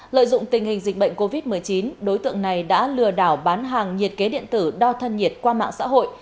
lợi dụng tình hình dịch bệnh covid một mươi chín đối tượng này đã lừa đảo bán hàng nhiệt kế điện tử đo thân nhiệt qua mạng xã hội